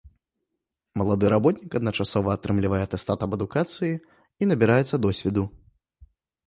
Малады работнік адначасова атрымлівае атэстат аб адукацыі і набіраецца досведу.